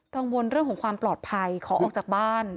กังวลเรื่องของความปลอดภัยขอออกจากบ้าน